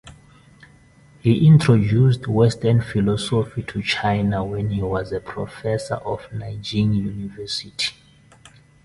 He introduced western philosophy to China when he was a professor of Nanjing University.